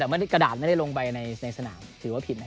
แต่กระดาษไม่ได้ลงไปในสนามถือว่าผิดนะครับ